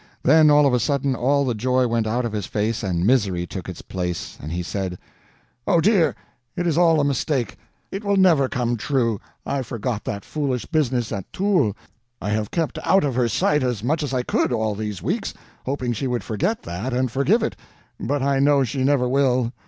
Then all of a sudden all the joy went out of his face and misery took its place, and he said: "Oh, dear, it is all a mistake, it will never come true. I forgot that foolish business at Toul. I have kept out of her sight as much as I could, all these weeks, hoping she would forget that and forgive it—but I know she never will.